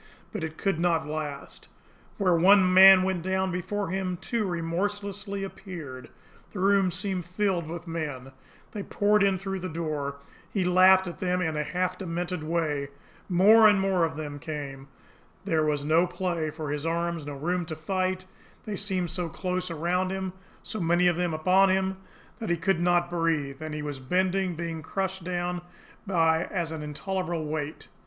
But it could not last. Where one man went down before him, two remorselessly appeared the room seemed filled with men they poured in through the door he laughed at them in a half demented way more and more of them came there was no play for his arms, no room to fight they seemed so close around him, so many of them upon him, that he could not breathe and he was bending, being crushed down as by an intolerable weight.